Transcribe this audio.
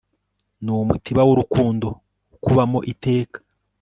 n'umutiba w' urukundo ukubamo iteka